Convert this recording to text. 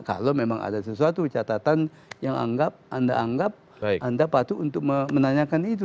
kalau memang ada sesuatu catatan yang anda anggap anda patut untuk menanyakan itu